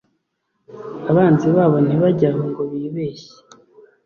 abanzi babo ntibajye aho ngo bibeshye